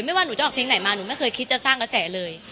ว่าหนูจะออกเพลงไหนมาหนูไม่เคยคิดจะสร้างกระแสเลย